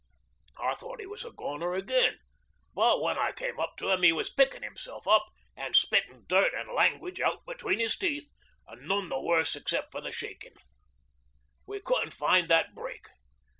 I thought he was a goner again, but when I came up to him he was picking himself up, an' spittin' dirt an' language out between his teeth, an' none the worse except for the shakin'. We couldn't find that break.